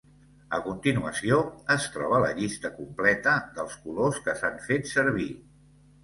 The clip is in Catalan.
A continuació es troba la llista completa dels colors que s'han fet servir.